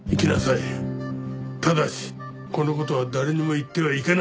ただしこの事は誰にも言ってはいけない。